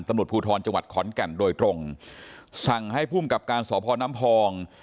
ตำรวจภูทรจังหวัดขอนแก่นโดยตรงสั่งให้ภูมิกับการสพน้ำพอง